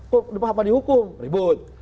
kenapa dihukum ribut